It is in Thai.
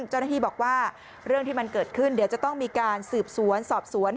เจ้าหน้าที่บอกว่าเรื่องที่มันเกิดขึ้นเดี๋ยวจะต้องมีการสืบสวนสอบสวน